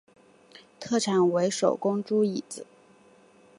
特产为手工猪胰子。